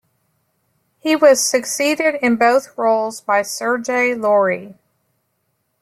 He was succeeded in both roles by Serge Lourie.